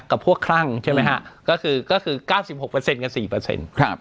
กับพวกคลั่งใช่ไหมฮะก็คือก็คือเก้าสิบหกเปอร์เซ็นกับสี่เปอร์เซ็นต์ครับ